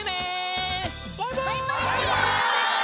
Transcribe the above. バイバイ！